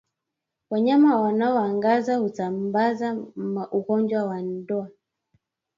Wanyama wanaongata husambaza ugonjwa wa ndwa